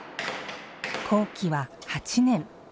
工期は８年。